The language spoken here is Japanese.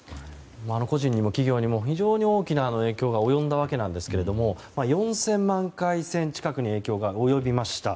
個人にも企業にも非常に大きな影響が及んだわけなんですが４０００万回線近くに影響が及びました。